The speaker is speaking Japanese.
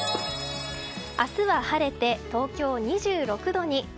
明日は晴れて東京、２６度に。